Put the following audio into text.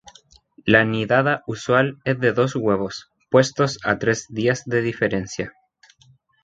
La nidada usual es de dos huevos, puestos a tres días de diferencia.